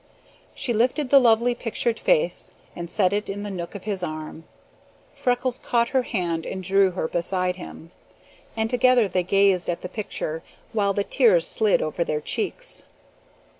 She lifted the lovely pictured face and set it in the nook of his arm. Freckles caught her hand and drew her beside him, and together they gazed at the picture while the tears slid over their cheeks.